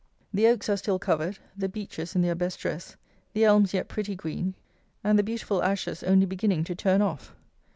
The oaks are still covered, the beeches in their best dress, the elms yet pretty green, and the beautiful ashes only beginning to turn off.